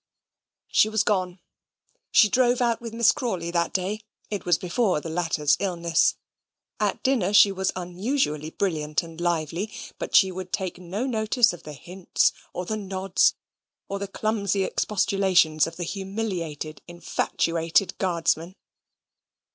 She was gone. She drove out with Miss Crawley that day. It was before the latter's illness. At dinner she was unusually brilliant and lively; but she would take no notice of the hints, or the nods, or the clumsy expostulations of the humiliated, infatuated guardsman.